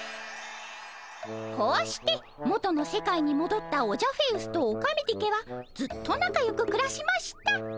こうして元の世界にもどったオジャフェウスとオカメディケはずっとなかよくくらしました。